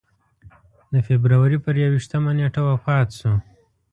د فبروري پر یوویشتمه نېټه وفات شو.